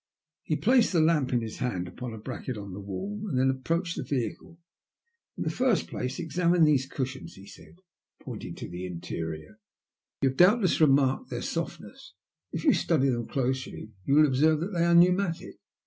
He placed the lamp he held in his hand upon a bracket on the wall, and then approached the vehicle. "In the first place examine these cushions," he A GRUESOME TALB. 11 saidy pointing to the interior. *' You have doubtless remarked their softness. If you study them closely you will observe that they are pneumatic.